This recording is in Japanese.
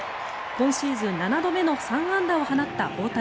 今シーズン７度目の３安打を放った大谷。